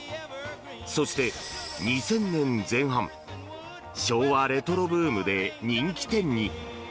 そして、２０００年前半昭和レトロブームで人気店に。